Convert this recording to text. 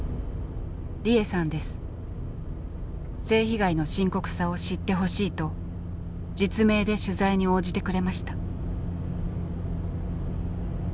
性被害の深刻さを知ってほしいと実名で取材に応じてくれました。